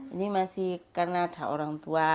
ini masih karena ada orang tua